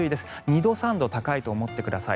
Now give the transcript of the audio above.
２度、３度高いと思ってください。